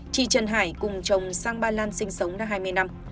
trị trần hải cùng chồng sang bà lan sinh sống đã hai mươi năm